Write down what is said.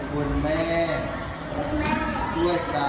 คุณแม่ด้วยกายวาจาใจ